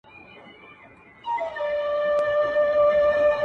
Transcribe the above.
ستونی ولي په نارو څیرې ناحقه،